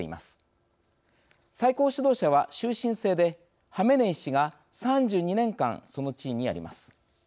最高指導者は終身制でハメネイ師が３２年間その地位にあります。